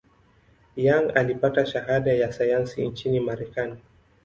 Young alipata shahada ya sayansi nchini Marekani.